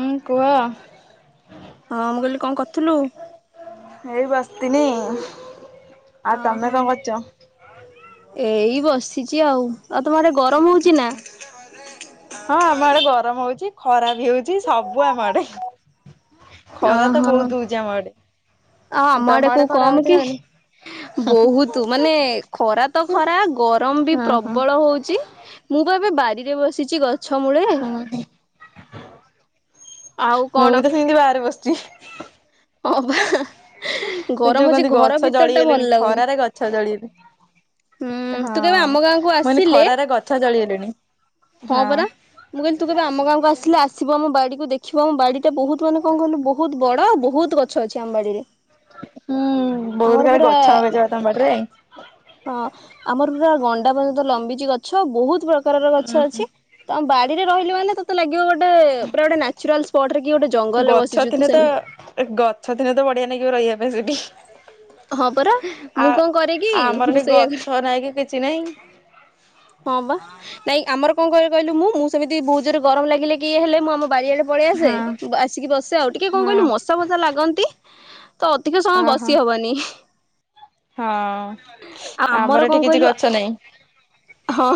ହୁଁ କୁହ। ହଁ ମୁଁ କହିଲି କଣ କରଥିଲୁ? ଏଇ ବସ୍ତିନି। ଅହୋ ଏଇ ବସିଛି ଆଉ। ଆଉ ତମ ଆଡେ ଗରମ ହଉଛି ନା? ହଁ ଆମ ଆଡେ ଗରମ ହଉଛି। ଖରା ବି ହଉଛି ସବୁ ଆମ ଆଡେ ଖରା ତ ବହୁତ ହଉଛି ଆମ ଆଡେ। ଅ ଆମ ତମ ଆଡେ କଉ ଖରା କମ୍ ହଉଛି ନା କି। ହଉନି? ବହୁତ ମାନେ ଖରା ତ ଖରା ଗରମ ବି ହଁ ହଁ। ପ୍ରବଳ ହଉଛି ମୁଁ ମୁଁ ଏବେ ବାରିରେ ବସିଛି ଗଛ ମୂଳେ। ହୁଁ ଆଉ ମୁଁ ବି ତ ସିନ୍ଦି ବାହାରେ ବସିଛି। ହ ବା। ଏ ଗରମ ଯୋଉ ହଉଛି କହନ୍ତି ଘର ଗଛ ଭିତର ଟା ଭଲ ଜଳିଗଲେଣି ଲାଗୁନି। ଖରାରେ ଗଛ ହୁଁ ଜଳିଗଲେ। ହଁ ତୁ କେବେ ଆମ ଗାଁକୁ ମାନେ ଆସିଲେ ଖରାରେ ଗଛ ଜଳିଗଲେଣି। ହଁ ପରା ମୁଁ କହିଲି ତୁ କେବେ ଆମ ଗାଁକୁ ଆସିଲେ ଆସିବ ଆମ ବାଡିକୁୁ ଦେଖିବ ଆମ ବାଡି ଏତେ ବହୁତ ମାନେ କଣ କହିଲୁ ବହୁତ ବଡ ବହୁତ ଗଛ ଅଛି ଆମ ବାଡ଼ିରେ। ହୁଁ ବହୁତ ଖାଲି ଗଛ ଲଗେଇଛ ତମ ବାଡ଼ିରେ। ହଁ ଆମର ପୁରା ଗଣ୍ଡା ପର୍ଯ୍ୟନ୍ତ ଲମ୍ବିଚି ଗଛ ବହୁତ ପ୍ରକ କାର ର ଉଁ ଗଛ ଅଛି ହୁଁ। ତ ଆମ ବାଡିରେ ରହିଲେ ମାନେ ତତେ ଲାଗିବ ଗୋଟେ ପୁରା ଗୋଟେ ନେଚୁରାଲ ସ୍ପଟରେ କି ଗୋଟେ ଜଙ୍ଗଲରେ ଗଛ ବସିଛୁ ତୁ ଥିନେ ତ ସେମିତି ଗଛ ଥିନେ ତ ବଢିଆ ନାଗିବ ରହିବା ପାଇଁ ହଁ ପରା ସେଠି। ଆ ମୁଁ କଣ କରେ କି ଆମର ମୁଁ ଟିକେ ସେଇଆ କରେ ଗଛ ନାଇଁ କି କିଛି ନାଇଁ ହଁ ବା ନାଇଁ ଆମର କଣ କିଲେ କହିଲୁ ମୁଁ ମୁଁ ସେମିତି ବହୁତ ଜୋରେ ଗରମ ଲାଗିଲେ କି ଇଏ ହେଲେ ମୁଁ ଆମ ବାରିଆରେ ପଳେଇଆସେ ହଁ ଆସିକି ବସେ ଆଉ ଟିକେ କଣ କହିଲୁ ମଶା ଫସା ଲାଗନ୍ତି। ତ ଅଧିକ ସମୟ ଓହୋ ବସି ହବନି। ଆଉ ହଁ ଆମର କଣ ଏଠି କିଛି କହିଲୁ ଗଛ ନାହିଁ। ହଁ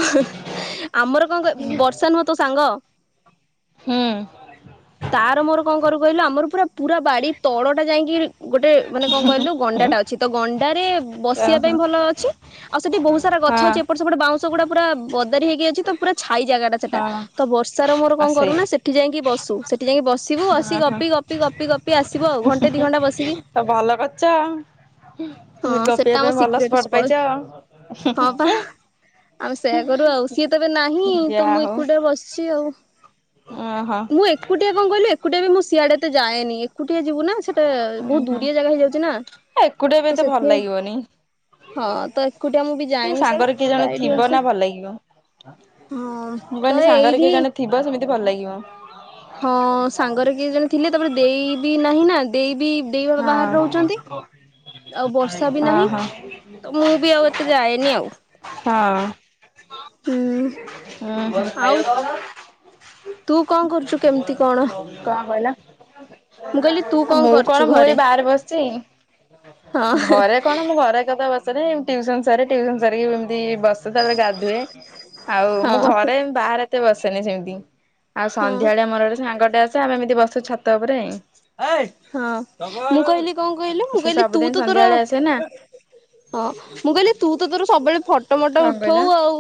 ଆମର କଣ ବର୍ଷା ନୁହ ତ ସାଙ୍ଗ। ହୁଁ ତାର ମୋର କଣ କରୁ କହିଲୁ ଆମର ପୁରା ପୁରା ବାଡି ତଳ ଟା ଯାଇକି ଗୋଟେ ମାନେ କଣ କହିଲୁ ଗଣ୍ଡାଟା ଅଛି ତ ଗଣ୍ଡାରେ ବ ସିବା ଓହୋ ପାଇଁ ଭଲ ଅଛି ଆଉ ସେଠି ବହୁତ ସାରା ଗଛ ହଁ ଅଛି ଏପଟ ସେପଟେ ବାଉଁଶ ଗୁଡା ପୁରା ବଦାରି ହେଇକି ଅଛି ତ ପୁରା ହାଇ ଜାଗା ଟା ସେଟା ହଁ ତ ବର୍ଷ ର ମୋର ଆ କଣ ସେଇ କରୁନା ସେଠି ଯାଇକି ବସୁ ସେଠି ଯାଇକି ବସ ସିବୁ ବସିକି ଓହୋ ଗପି ଗପି ଗପି ଗପି ଆସିବ ଆଉ ଘଣ୍ଟେ ଦି ଘଣ୍ଟା ବସିକି। ତ ଭଲ କରିଛ ଆଉ ହଁ ଗପିବା ସେଟା ଆମ ପାଇଁ ଭଲ ସିକ୍ରେଟ ସ୍ପଟ ସ୍ପଟ୍ ହଁ ପା। ପାଇଛ। ଆମେ ସେୟା କରୁ ଆଉ ସିଏ ତ ଏବେ ନାହିଁ ତ ଯାହା ମୁଁ ହଉ ଏକୁଟିଆ ବସିଛି ଆଉ ଓହୋ ମୁଁ ଏକୁଟିଆ କଣ କହିଲୁ ଏକୁଟିଆ ବି ମୁ ସିଆଡେ ଏତେ ଯାଏନି। ଏକୁଟିଆ ଯିବୁ ନା ସେଟା ଉଁ ବହୁତ ହୁଁ ଦୁରିଆ ଜାଗା ହେଇଯାଉଛି ନା ଏକୁଟିଆ ବି ତ ଏତେ ଭଲ ସେଥିପାଇଁ ଲାଗିବନି। ହଁ ତ ଏକୁଟିଆ ମୁଁ ବି ଯାଏନି ସେଇଆଡେ ତ ଏଇଠି ବସେ। ହଁ ମୁ ତ କହିଲି ସାଙ୍ଗରେ ଏଇଠି କିଏ ଜଣେ ଥିବ ସେମିତି ଭଲ ଲାଗିବ। ହଁ ସାଙ୍ଗରେ କିଏ ଜଣେ ଥିଲେ ତାପରେ ଦେଇ ବିି ନାହିଁ ନା ଦେଇ ବିି ଦେଇ ଘର ହଁ ବାହାରେ ରହୁଛନ୍ତି। ଆଉ ବର୍ଷା ବି ନାହିଁ ଓହୋ ହଁ ତ ମୁଁ ବି ଆଉ ଏତେ ଯାଏନି ଆଉ। ହଁ ହୁଁ ଆଉ ହଁ। ତୁ କଣ କରୁଛୁ କେମିତି କଣ କହିଲ ମୁଁ କହିଲି ତୁ ମୁଁ କ କରୁଛୁ କଣ ମୁଁ ଏ ଘରେ ବାହାରେ ବସିଛି ହଁ ଘରେ କଣ ମୁଁ ଘରେ କେ ସରେ ଟ୍ୟୁସନ୍ ସାରେ ଟ୍ୟୁସନ୍ ସାରି ଯି ବସେ ତାପରେ ଗାଧୁଏ ଆଉ ମୁଁ ହଁ ଘରେ ବାହାରେ ଏତେ ବସେନି ସେମତି। ଆଉ ହଁ। ସନ୍ଧ୍ୟାବେଳେ ଆମର ଗୋଟ ସାଙ୍ଗଟେ ଆସେ ଆମେ ଏମିତି ବସୁ ଛାତ ଉପରେଁ। ହଁ ମୁଁ କହିଲି କଣ କହିଲୁ ମୁଁ ସେ କହିଲି ତୁ ସବୁଦିନ ତ ତୋର ସନ୍ଧ୍ୟାବେଳେ ଆସେ ନା ହଁ ମୁଁ କହିଲି ତୁ ତ ତୋର ସବୁବେଳେ ଫଟୋମଟ କଣ କହିଲ? ଉଠଉ ଆଉ।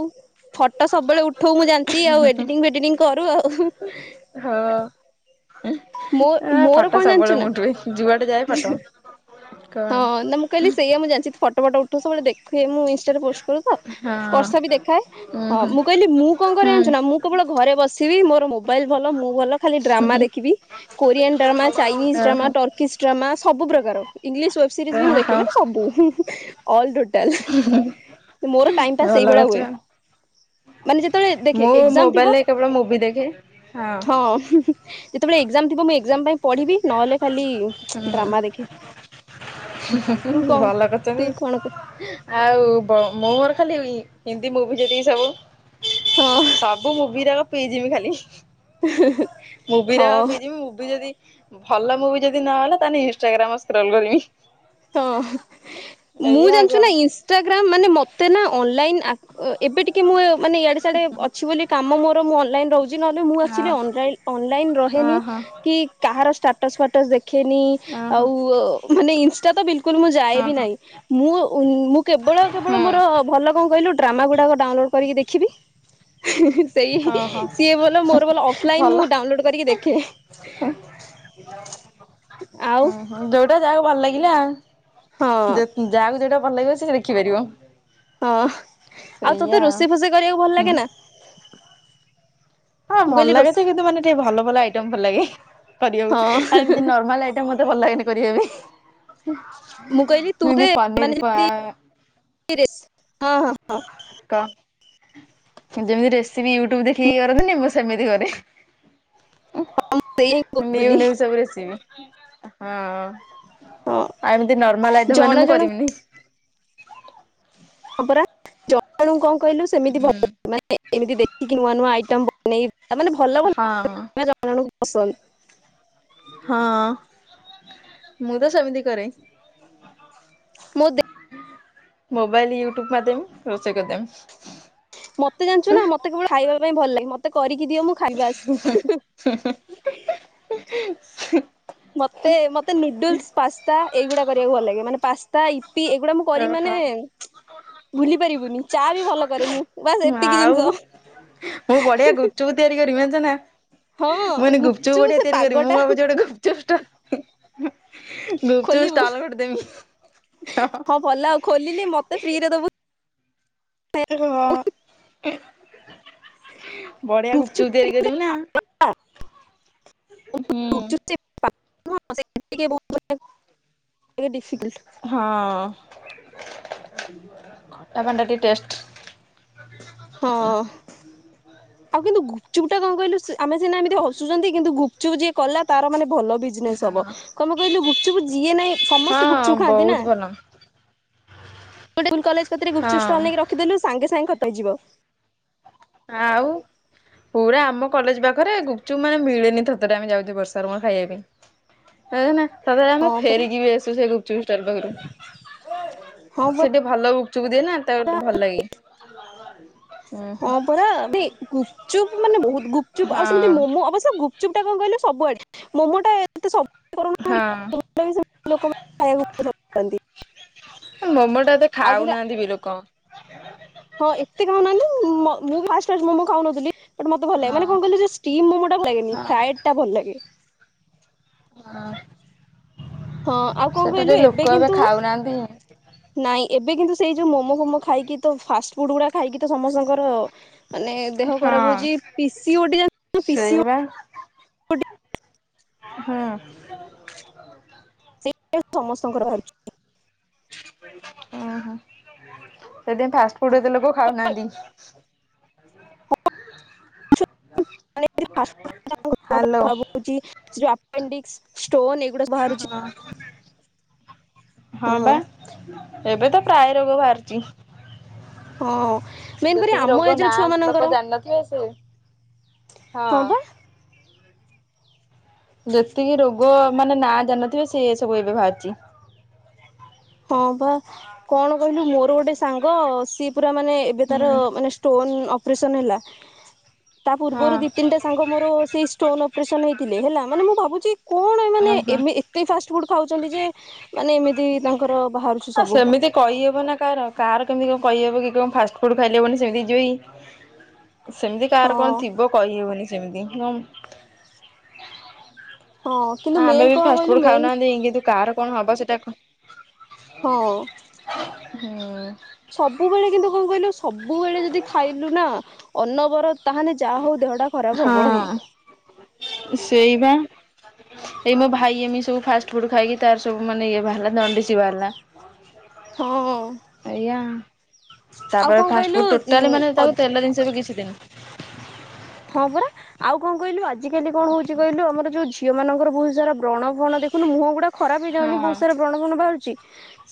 ଫଟୋ ସବୁବେଳେ ଉଠଉ ମୁଁ ଜାଛି ଆଉ ଏଟିଂ ଫେଡିଟିଂ କର ଆଉ। ହଁ ମୋ ମୋର ଫଟୋ କଣ ସବୁବେଳେ ଜାଣିଛୁ ମୁଁ ନା ଉଠୁଏ ଯୁଆଡେ ଯାଏ ଫଟୋ। କଣ ହଁ ନା ମୁଁ କହିଲି ସେଇଆ ମୁଁ ଜାଛିି ଫଟୋ ଫଟ ଉଠ ସବୁବେଳେ ଦେଖୁେ ମୁଁ ହଁ ବର୍ଷା ବି ଦେଖାଏ ଉଁ ହଁ ହୁଁ ମୁଁ କହିଲି ମୁଁ କଣ କରିରେ ଆଣିଛୁ ହୁଁ ନା ମୁଁ କେବଳ ଘରେ ବସି ସିବି ମୋର ମୋବାଇଲ ଭଲ ମୁଁ ଭଲ ଖାଲି ଡ୍ରାମା ଦେଖିବି କୋରିଆନ୍ ଡ୍ରାମା ଚାଇନିଜ ଡ୍ରାମା ଓହୋ। ଟର୍କିଜ ଡ୍ରାମା ସବୁ ପ୍ରକାର ଇଂଲିଶ୍ ୱେବସିରିଜ୍ ମୁଁ ଦେଖେ ଓହୋ ମାନେ ସବୁ। ଅଲ୍ ଟୋଟାଲ ମୋର ଟାଇମପାସ୍ ଭଲ ସେଇଭଳିଆ କରିଛ ହୁଏ। ଆଉ। ମାନେ ଯେତେବେଳେ ଦେଖେ ମୁଁ ଏଜମ୍ ଥିବ ମୋବାଇଲରେ କେବଳ ମୁଭି ଦେଖେ। ହଁ ଯେତେବେଳେ ଏକ୍ଜାମ ଥିବ ମୁଁ ଏକ୍ଜାମ ପାଇଁ ପଢ଼ିବି ନହେଲେ ଖାଲି ଡ୍ରାମା ଦେଖେ। ତୁ କଣ ଭଲ ତୁ କରିଛନ୍ତି କଣ ଆଉ ମୋ ଖାଲି ହିନ୍ଦୀ ମୁଭି ଯେତିକି ସବୁ ହଁ ସବୁ ମୁଭି ଯାଙ୍କ ପିଇଯିବି ଖାଲି। ମୁଭି ର ହଁ। ପିଇ ଯିବି ମୁଭି ଯଦି ଭଲ ମୁଭି ଯଦି ନହଲା ତାହେଲେ ଇନଷ୍ଟାଗ୍ରାମ ସ୍କ୍ରଲ କରିବି। ହଁ ମୁଁ ଏଇଆ ଆଉ ଜାଣିଛୁ କଣ ନା ଇନଷ୍ଟାଗ୍ରାମ ମାନେ ମତେ ନା ଅନଲାଇନ ଆ ଏବେ ଟିକେ ମୁଁ ମାନେ ଇଆଡେ ସିଆଡେ ଅଛି ବୋଲି କାମ ମୋର ମୁଁ ଅନଲାଇନ ରହୁଛି ଜି ମୁଁ ହଁ ଆକଚୁଆଲି ଅନ ଅନଲାଇନ୍ ରହେନି ଓହୋ କି କାହାର ଷ୍ଟାଟସ୍ ଫାଟସ୍ ଦେଖ ଦେଖେନି ଓହୋ। ଆଉ ମାନେ ଇନଷ୍ଟା ତ ବିଲକୁଲ ବିଲକୁଲ ମୁଁ ଯାଏ ହଁ ବି ହଁ ନାହିଁ ମୁଁ ମୁଁ କେବଳ କେବଳ ହୁଁ ମୋର ଭଲ କଣ କହିଲୁ ଡ୍ରାମା ଗୁଡ଼ାକ ଡାଉନଲୋଡ କରିକି ଦେଖିବି। ସେଇ ଓହୋ ସିଏ ଭଲ ମୋର ଭଲ ଅଫଲାଇନ ମୁଁ ଡାଉନଲୋଡ କରିକି ଦେଖେ। ଆଉ ହୁଁ ହଁ ଯୋଉଟା ଯାହାକୁ ଭଲ ଲାଗିଲା ଆଉ ହଁ ଯାହାକୁ ଯୋଉଟା ଭଲ ଲାଗିବ। ସେଇଟା ଦେଖି ପାରିବ। ହଁ ଆଉ ତୋତେ ରୋଷେଇ ଫୋସେଇ କରିବାକୁ ଭଲ ଲାଗେ ଆଉ। ନା? ହଁ ମୁଁ କହିଲି ଭଲ ଲାଗେ ରୋଷେଇ ତ କିନ୍ତୁ ମାନେ ଟିକେ ଭଲ ଭଲ ଆଇଟମ ଭଲ ଲାଗେ। କରିବାକୁ ହଁ ଆଉ ଏମିତି ନର୍ମାଲ ଆଇଟମ୍ ମତେ ଭଲ ଲାଗେନି କରିବା ପାଇଁ। ମୁଁ ଏମିତି ପନିର ପା ର ରେସିପି ହଁ ହଁ ହଁ। କ ଯେମିତି ରେସିପି ୟୁଟ୍ୟୁବ ଦେଖିକି କରନ୍ତିନି ମୁଁ ସେମିତି କରେ। ସେଇ ହିଁ ନିଉ କହୁଥିଲି ନିଉ ସବୁ ରେସିିପି। ହଁ। ହଁ ଆଉ ଏମିତି ନର୍ମାଲ ଆଇଟମ୍ ମାନେ ଜଣ ମୁଁ ଜଣ କରବିନି। ହଁ ପରା [unintelligible] କଣ କହିଲୁ ସେମିତି ହୁଁ ଭଲ ମେ ଏମିତି ଦେଖିକି ନୂଆ ନୂଆ ଆଇଟମ୍ ବନେଇ ତାମାନେ ଭଲ ହଁ [unintelligible] ପସନ୍ଦ ହଁ ମୁଁ ତ ସେ ସେମିତି କରେ। ମୁଁ ଦେଖ ମୋବାଇଲ ୟୁଟ୍ୟୁବ ମାରିଦେମ୍ ରୋଷେଇ କରି ଦେମ୍। ମତେ ଜାଣିଛୁ ନା ମତେ କେବଳ ଖାଇବା ପାଇଁ ଭଲ ଲାଗେ ମତେ କରିକି ଦିଅ ମୁଁ ଖାଇବି ବାସ୍। ମତେ ମତେ ନୁଡୁଲସ ପାସ୍ତା ଏଇଗୁଡା କରିବାକୁ ଭଲ ଲାଗେ ମାନେ ପାସ୍ତା ଇପ୍ ୟିପି ଏଗୁଡା ମୁଁ କରିବି ମାନେ ଓହୋ। ଭୁଲି ପାରିବୁନି। ଚା ବି ଭଲ କରେ ମୁଁ ବାସ ଏତିକି ଆଉ ଜିନିଷ। ହଁ ମାନେ ଗୁପଚୁପ ବଢିଆ ସେ ତିଆରି କରି ମୁଁ ପାଗଟା ଭାବୁଛି ଗୋଟେ ଗୁପଚୁପ ଷ୍ଟଲ୍ ଗୁପଚୁପ ଖୋଲିବୁ ଷ୍ଟଲ ଗୋଟେ ଦେବି। ହଁ ଭଲ ଆଉ ଖୋଲିଲି ମତେ ଫ୍ରିରେ ଦବୁ। ହଁ। ବଢିଆ ଗୁପ ଗୁପଚୁପ ଚୁପ୍ ତିଆରି କରିବି ନା। ହୁଁ [unintelligible] ଟିକେ ହଁ। ଡିଫିକଲଟ୍। ଖଟା ପଣିଟା ଟିକେ ଟେଷ୍ଟ। ହଁ। ଆଉ କିନ୍ତୁ ଗୁପଚୁପ ଟା କଣ କହିଲୁ ଆମେ ସିନା ଏମିତି ହସୁଛନ୍ତି କିନ୍ତୁ ଗୁପଚୁପ ଯିଏ କଲା ତାର ମାନେ ଭଲ। ବିଜନେସ୍ ହଁ ହବ। କଣ ପେଇ କହିଲୁ ଗୁପଚୁପ ଯିଏ ନହିଁ ସମସ୍ତେ ଗୁପଚୁପ ହଁ ଖାଆନ୍ତି ବହୁତ ନା। ଭଲ କଲେ କରେ ଗୁପ୍ତୁ ହଁ ଷ୍ଟଲକି ରଖିଦେଲୁ ସାଙ୍ଗେ ସାଙ୍ଗେ ଖତ୍ ହେଇଯିବ। ଆଉ। ପୁରା ଆମ କଲେଜ ପାଖରେ ଗୁପଚୁପ ମାନେ ମିଳେନି ଥରେ ଥରେ ଆମେ ଯାଉଚେ ବର୍ଷାର ମୋର ଖାଇବା ପାଇଁ। ଏଏନା। ତାପରେ ଆମେ ହଁ ପରା ଫେରିକି ବି ଆସୁ ସେ ଗୁପଚୁପଷ୍ଟାର ପାଖରୁ। ହଁ ପରା ସେ ଟିକେ ଭଲ ଗୁ ଗୁପ୍ ଚୁପ ଦିଏ ନା ତା ଗେ ଭଲ ଲାଗେ ଉ। ହଁ ପରା ଗୁପଚୁପ ମାନେ ବହୁତ ଗୁପଚୁପ୍ ଆଉ ସେମିତି ହଁ। ମୋମୋ ଅବଶ୍ୟ ଗୁପୁ ଚୁପଟା କଣ କହିଲୁ ସବୁ ଆଡେ ମୋମୋ ଟା ଏତେ ସ ହଁ କରୁନାହାନ୍ତି [inaudible] ଲୋକ ମାନେ ଖାଇବାକୁ ବହୁତ୍ ଭଲ ପାଆନ୍ତି। ମୋମୋ ଟା ଏତେ ଆଉ କିନ୍ତୁ ଖାଉ ନାହାନ୍ତି ବି ଲୋକ। ହଁ ଏତେ ଖାଉନାହାନ୍ତି ମ ମୁଁ ଫାର୍ଷ୍ଟ ଫାର୍ଷ୍ଟ ମୋମୋ ଖାଉନଥିଲି। ମତେ ଭଲ ଲାଗେ ହଁ ମାନେ କଣ କହିଲ ଯଉ ଷ୍ଟିମ ମୋମୋ ଟା ଭଲ ଲାଗେନି ହଁ। ଫ୍ରାଏଡ ଟା ଭଲ ଲାଗେ। ଆ। ହଁ ଆଉ କଣ କହିଲୁ ଏବେ କିନ୍ତୁ। ଖାଉନାହାନ୍ତି। ନାଇଁ ଏବେ କିନ୍ତୁ ସେଇ ଯୋଉ ମୋମୋ ଫୋମୋ ଖାଇକି। ତ ଫାଷ୍ଟ ଫୁଡ ଗୁଡା ଖାଇକି ତ ସମସ୍ତଙ୍କର। ମାନେ ଦେହ ଖରାପ ହଁ। ହଉଛି ପି ସି ଓ ଡି ଜାଣିଛୁ ନା ପି ସି ସେଇବା ଓ ଡି। ହୁଁ। ସେ [inaudible] ସମସ୍ତଙ୍କର ବାହାରୁଚି। ଉ ହୁଁ ସେଥିପାଇଁ ଫାଷ୍ଟ ଫୁଡ ଏତେ ଲୋକ ଖାଉନାହାନ୍ତି। [inaudible] ହାଲୋ। ସେ ଯୋଉ ଆପେଣ୍ଡିକ୍ସ ଷ୍ଟୋନ ଏ ହଁ ହଁ ବା। ଏବେ ତ ପ୍ରାୟ ରୋଗ ବାହାରିଛି। ହଁ ମେନ କରି ଆମ ଏଜର ନାଁ ଛୁଆ ଲୋକ ମାନଙ୍କର। ଜାଣିନଥିବେ ସେ ହଁ। ଯେତିକି ରୋଗ ମାନେ ନା ଜାଣି ନଥିବେ ସେ ସବୁ ଏବେ ବାହାରୁଚି। ହଁ ବା କଣ କହିଲୁ ମୋର ଗୋଟେ ସାଙ୍ଗ ସି ପୁରା ମାନେ ଏବେ ତାର ହୁଁ। ମାନେ ଷ୍ଟୋନ ଅପରେସନ ହେଲା। ତା ପୂର୍ବରୁ ହଁ ଦି ତିନିଟା ସାଙ୍ଗ ମୋର ସେଇ ଷ୍ଟୋନ ଅପରେସନ ହେଇଥିଲେ ହେଲା ମାନେ ମୁଁ ଭାବୁଛି କଣ ଏମାନେ। ଓହୋ। ଏମେ ଏତେ ଫାଷ୍ଟ ଫୁଡ ଖାଉଛନ୍ତି ଯେ ମାନେ ଏମିତି ତାଙ୍କର। ବାହାରୁଛି ସବୁ। ସେମିତି କହିବ ନା କାହାର କାହାର। କେମିତି କଣ କହି ହବ କି କଣ ଫାଷ୍ଟ ଫୁଡ ଖାଇଲେ ବୋଲି ସେମିତି ହେଇଯିବ କି। ସେମିତି ହଁ କାହାର କଣ ଥିବ କହି ହବନି ସେମିତି କ। ହଁ କିନ୍ତୁ ଆ ଆମେ ମେନ୍ ବି କଣ କହିଲୁ ଫାଷ୍ଟଫୁଡ ମେନ୍ ଖାଉନାହାନ୍ତି କିନ୍ତୁ କାହାର କଣ ହବ ସେଇଟା କ। ହଁ। ହୁଁ। ସବୁବେଳେ କିନ୍ତୁ କଣ କହିଲୁ ସବୁବେଳେ ଯଦି ଖାଇଲୁ ନା ଅନବର ତାହେନେ ଯାହା ହଉ ଦେହଟା ଖରାପ ହବ ହିଁ। ହଁ। ସେଇବା। ଏଇ ମୋ ଭାଇ ଏମିତି ସବୁ ଫାଷ୍ଟ ଫୁଡ ଖାଇକି ତାର ସବୁ ମାନେ ଇଏ ବାହାରିଲା ଦଣ୍ଡିସି ବାହାରିଲା। ହଁ। ଏଇୟା ଆଉ ତାପରେ କଣ ଫାଷ୍ଟ କହିଲୁ ଫୁଡ ଟୋଟାଲି ମାନେ ଉ ତାକୁ ତେଲ ଜିନିଷ ବି କିଛି ଦେଇନୁ। ହଁ ପରା ଆଉ କଣ କହିଲୁ ଆଜିକାଲି କଣ ହଉଛି କହିଲୁ ଆମର ଯୋଉ ଝିଅ ମାନଙ୍କର ବହୁତ ସାରା ବ୍ରଣ ଫଣ ଦେଖୁନ ମୁହ ଗୁଡା ଖରାପ ହଁ ହେଇଯାଉନି ବହୁତ ସାରା ବ୍ରଣ ଫଣ ବାହାରୁଛି।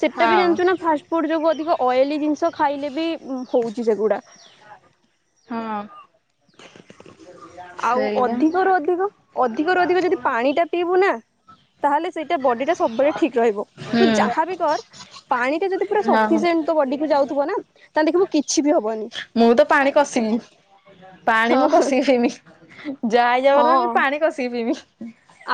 ସେଟା ବି ହଁ ଜାଣିଛୁ ନା ଫାଷ୍ଟ ଫୁଡ ଯୋଗୁ ଅଧିକ ଅଏଲି ଜିନିଷ। ଖାଇଲେ ବି ଉଁ ହଉଛି ସେଗୁଡା। ହଁ। ଆଉ ସେଇବା ଅଧିକରୁ ଅଧିକ ଅଧିକରୁ ଅଧିକ ଯଦି ପାଣି ଟା ପିଇବୁ ନା। ତାହେଲେ ସେଇଟା ବଡି ଟା ସବୁବେଳେ ଠିକ ରହିବ ହୁଁ। ତୁ ଯାହାବି କର ପାଣି ଟା ଯଦି ପୁରା ହଁ ସଫିସିଏଣ୍ଟ ତୋ ବଡି କୁ ଯାଉଥିବ ନା ତାହେଲେ ଦେଖିବୁ କିଛି ବି ହବ ମୁଁ ତ ପାଣି କଷିକି। ପାଣି ମୁଁ ହଁ କଷିକି ପିଇମି ଯାହା ହେଇଯାଉ ନା ହଁ ମୁଁ ପାଣି କଷିକି ପିଇମି।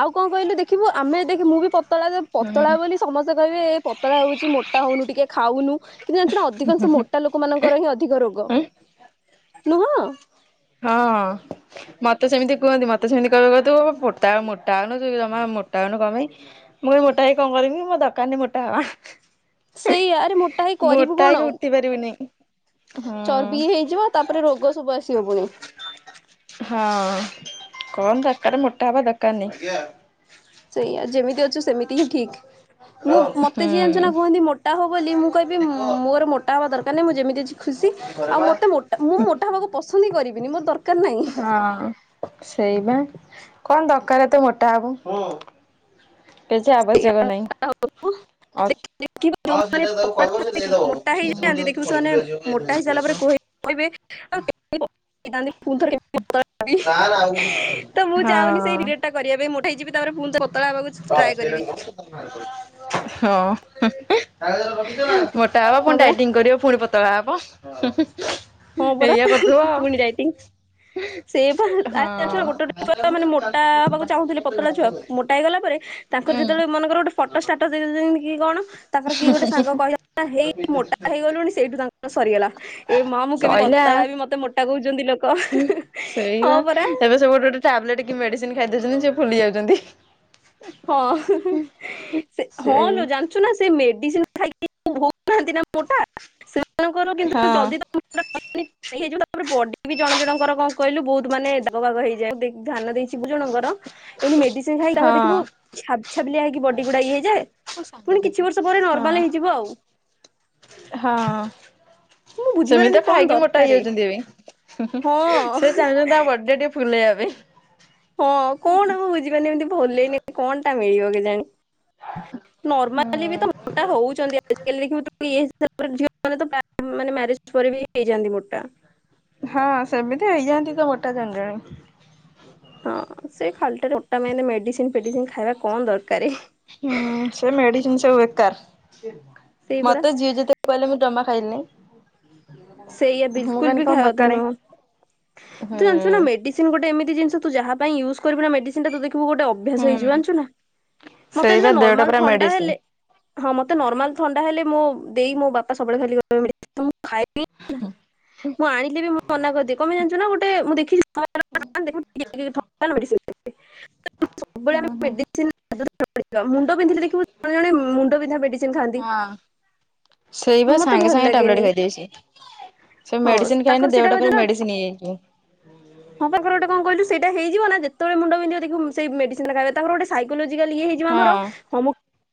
ଆଉ କଣ କହିଲୁ ଦେଖିବୁ ଆମେ ଦେଖ ମୁଁ ବି ପତଳା ପତଳା ହୁଁ। ବୋଲି ସମସ୍ତେ କହିବେ ଏ ପତଳା ହଉଛି ମୋଟା ହଉନୁ ଟିକେ ଖାଉନୁ। କିନ୍ତୁ ଜାଣିଛୁ ନା ଅଧିକାଂଶ ମୋଟା ଲୋକ ମାନଙ୍କର ହିଁ ଅଧିକ ରୋଗ ଉଁ ନୁହଁ। ହଁ ମତେ ସେମିତି କୁହନ୍ତି ମତେ ସେମିତି କହିବେ କହିବେ ତୁ ମୋଟା ମୋଟା ହଉନୁ ତୁ ଜମା। ମୋଟା ହଉନୁ କଣ ପାଇଁ ମୁଁ କହିବି ମୋଟା ହେଇ କଣ କରିବି ମୋର ଦରକାର ନାହିଁ ମୋଟା ହବା। ସେଇଆ ଆରେ ମୋଟା ହେଇ କରିବୁ ମୋଟା କଣ। ହେଇକି ଉଠି ପାରିବିନି। ହୁଁ ଚର୍ବି ହେଇଯିବ ତାପରେ ରୋଗ ସବୁ ଆସି ହଁ କଣ [inaudible] ଆରେ ମୋଟା ହବା ଦରକାର ନାହିଁ ସେଇଆ ଯେମିତି ଅଛୁ ସେମିତି ହିଁ ଠିକ୍। ମୁଁ ମତେ ହୁଁ ଯିଏ ଜଣିଛ ନା କୁହନ୍ତି ମୋଟା ହୋ ବୋଲି ମୁଁ କହିବି ମୋର ମୋଟା ହବା ଦରକାର ନାହିଁ ମୁଁ ଯେମିତି ଅଛି ଖୁସି ଆଉ ମତେ ମୋଟା ମୁଁ ମୋଟା ହେବାକୁ ପସନ୍ଦ ହିଁ କରିବିନି ମୋର ଦରକାର ନାହିଁ ହଁ ସେଇ ବା କଣ ଦରକାର ଏତେ ମୋଟା ହବ କିଛି ଆବଶ୍ୟକ ନାହିଁ ଦେଖିବା ଯୋଉମାନେ ମୋଟା ହେଇଯାଆନ୍ତି ଦେଖିବୁ ସେମାନେ ମୋଟା ହେଇସାରିଲା ପରେ କହିବେ [inaudible] ଆଉ [inaudible] ଥାନ୍ତି ଫୁଣି ଥରେ କେମିତି ପତଳା ହେବି ତ ମୁଁ ହଁ ଚାହୁଁନି ସେଇ ରିଗ୍ରେଟ ଟା କରିବା ପାଇଁ ମୋ [inaudible] ହେଇଯିବି ତାପରେ ପୁଣି ଥ ପତଳା ହେବାକୁ ଟ୍ରାଏ କରିବି। ହଁ ମୋଟା ହବ ହଁ ପୁଣି ପରା ଡାଇଟିଂ କରିବ ଫୁଣି ପ ପତଳା ହବ। ହଁ ପରା ଏଇଆ କରୁଥିବ। ପୁଣି ଦଇଟିଙ୍ଗ ସେଇଆ ପା ଜାଣିଚୁ ନା ଗୋଟେ ହଁ। ହୁଁ ଗେଟେ ଛୁଆ ମାନେ ମୋଟା ହେବାକୁ ଚାହୁଁଥିଲେ ପତଳା ଛୁଆ ମୋଟା ହେଇଗଲା ପରେ [inaudible] ତାଙ୍କର ଯେତେବେଳେ ମନେକର ଗୋଟେ ଫଟୋ ଷ୍ଟାଟସ ଦେଇଉଛନ୍ତି କି କଣ ତାଙ୍କର କିଏ ଗୋଟେ ସାଙ୍ଗ କହି ହେଇ ମୋଟା ହେଇଗଲୁଣି ସେଇଠୁ ତାଙ୍କର ସରିଗଲା ଏ ମା ମୁଁ କେବେ ସଇଲା ପତଳା ହେବି ମତେ ମୋଟା କହୁଛନ୍ତି ଲୋକ। ହଁ ସେଇବା ପରା। ଏବେ ସେ ଗୋଟେ ଗୋଟେ ଟାବଲେଟ କି ମେଡିସିନ ଖାଇଦଉ ନିଜେ ଫୁଲି ଯାଉଛନ୍ତି। ହଁ ସେ ହଁ ସେଇ ଲୋ ଜାଣିଛୁ ନା ସେ ମେ ମେଡ଼ିସିନ ଖାଇକି ହଉନାହାନ୍ତି ନା ମୋଟା ସେମାନଙ୍କର କିନ୍ତୁ ହଁ ଜଲଦି ତମ [inaudible] [unintelligible] ଜଣଙ୍କର ଏମିତି ମେଡିସିନ ଖାଇକି ତାଙ୍କର ଦେଖିବୁ ହଁ । ଛାବ ଛାବିଲିଆ ହେଇକି ବଡିଗୁଡା ଇଏ ହେଇଯାଏ ପୁଣି କିଛି ବର୍ଷ ପରେ ହଁ ନର୍ମାଲ ହେଇଯିବ ଆଉ। ହଁ। ମୁଁ ସେମିତି ବୁଝିପାରେନି ତ କଣ ଖାଇକି ମୋଟା ଦରକାରେ ହେଇଯାଉଛନ୍ତି ହଁ ଏବେ ସେ ଚାହୁଁଛନ୍ତି ତା ବଡି ଟା ଟିକେ ଫୁଲେଇବା ପାଇଁ। ହଁ କଣ ମୁ ବୁଝିପାରୁନି ଏମିତି ଭଲେଇନେ କଣ ଟା ମିଳିବ କି ଜାଣି। ହୁଁ ନର୍ମାଲି ବି ତ ମୋଟା ହଉଛନ୍ତି ଆଜିକାଲି ଦେଖିବୁ ଯୋଉ ଇଏ ଝିଅ ମାନେ ମାନେ ମ୍ୟାରେଜ ପରେ ବି ହେଇଯାନ୍ତି ମୋଟା [inaudible] ହଁ ସେମିତି ହେଇଯାନ୍ତି ତ ମୋଟା ଜଣେ ଜଣେ। ହଁ ସେ ଖାଲି ଟା ରେ ମୋଟା ମେନ ମେଡିସିନ ଫେଡିସିନ ଖାଇବା କଣ ଦରକାର। ହୁଁ ସେ ମେଡିସିନ ସବୁ ବେକାର ସେଇ ପରା। ମତେ ଯିଏ ଯେତେ କହିଲେ ମୁଁ ଜମା ଖାଇନି ସେଇଆ ବିଲକୁଲ ବି ଖାଇବା କଥା ନୁହଁ ତୁ ଜାଣିିଚୁ ନା ହୁଁ। ମେଡିସିନ ଗୋଟେ ଏମିତି ଜିନିଷ ତୁ ଯହା ପାଇଁ ୟୁଜ୍ କରିବୁ ନା ମେଡିସିନ ଟା ତୁ ଦେଖିବୁ ଅଭ୍ୟାସ ହେଇଯିବ ହୁଁ ଜଣିଛୁ ନା। ମତେ ଜାଣିଚୁ ସେଇବା ନା ଦେହଟା ନର୍ମାଲ ପୁରା ଥଣ୍ଡା ମେଡିସିନ। ହେଲେ ହଁ ମତେ ନର୍ମାଲ ଥଣ୍ଡା ହେଲେ ମୁଁ ଦେଇ ମୋ ବାପା ସବୁବେଳେ ଖାଲି ଖାଇ ହଁ ମୁଁ ଆଣିକି ବି ମନା କଲି କମ୍ପାଇ ଜାଣିଛ ନା ଗୋଟେ ମୁଁ ଦେଖିଛି ହୁଁ ହୁଁ। [unintelligible] ମୁଣ୍ଡ ବିନ୍ଧିଲେ ଦେଖିବୁ ଜଣେ ଜଣେ ମୁଣ୍ଡ ବିନ୍ଧା ମେଡିସିନ ଖାଆନ୍ତି। ହଁ ସେଇ ବା ମତେ ସାଙ୍ଗେ ଭଲ ସାଙ୍ଗେ ଟାବଲେଟ ଲାଗେନି ଖାଇଦେଇଛି ସେ ହଁ ମେଡିସିନ ତାଙ୍କର ଖାଇନି ସେଇଟା ବା ଦେହଟା ପୁରା ମେଡିସିନ ହେଇଯାଇଛି। ହଁ ପା ତାଙ୍କର ଗୋଟେ କହିଲୁ ସେଇଟା ହେଇଯିବ ନା ଯେତେବେଳେ ମୁଣ୍ଡ ବିନ୍ଧବ ଦେଖିବୁ ସେଇ ମେଡିସିନ ଟା ଖାଇବା ତାଙ୍କର ଗୋଟେ ସାଇକୋଲୋଜି। ଆଜି କାଲି ଇଏ ହେଇଯିବ ଆମର ହଁ। ସମ